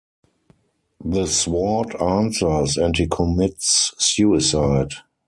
The sword answers, and he commits suicide.